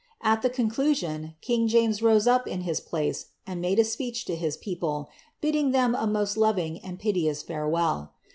At ihc conclusion, kinff Jame; rose up in his place, and made a speech to his people, bidding ihem a most loving and piteous farewell.'